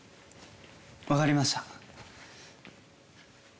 わかりました。